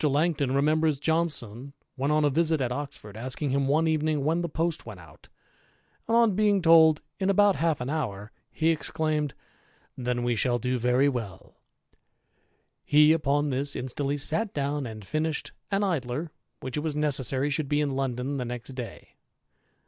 Langton remembers Johnson, when on a visit ^^ Oxford, asking him one evening when the post went out ; and on ing told in about half an hour, he exclaimed, ' Then we shall do very ^U.' He upon this instantly sat down and finished an Idler ^ which it '^ necessary should be in London the next day.